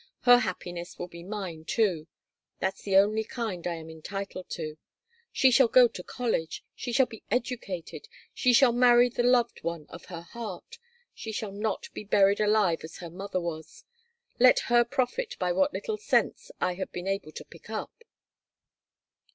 Her happiness will be mine, too. That's the only kind I am entitled to. She shall go to college. She shall be educated. She shall marry the loved one of her heart. She shall not be buried alive as her mother was. Let her profit by what little sense I have been able to pick up."